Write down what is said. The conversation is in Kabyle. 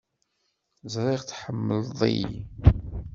Ẓriɣ tḥemmleḍ-iyi.